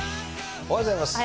おはようございます。